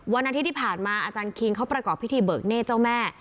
วันอาทิตย์ที่ผ่านมาอาจารย์คิงเขาประกอบพิธีเบิกเนธเจ้าแม่